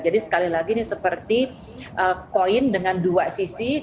jadi sekali lagi seperti uang dengan dua sisi